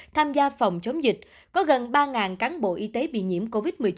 tham gia phòng chống dịch có gần ba cán bộ y tế bị nhiễm covid một mươi chín